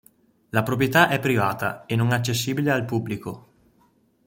La proprietà è privata e non accessibile al pubblico.